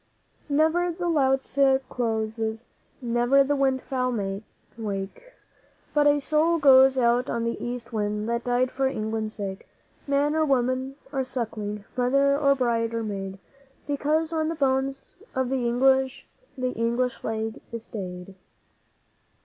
'Never the lotus closes, never the wild fowl wake, But a soul goes out on the East Wind that died for England's sake Man or woman or suckling, mother or bride or maid Because on the bones of the English the English Flag is stayed.